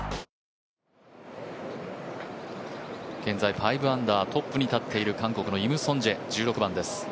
現在、５アンダー、トップに立っている韓国のイム・ソンジェです。